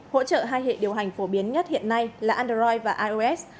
hỗ trợ hai hệ điều hành phổ biến nhất hiện nay là android và ios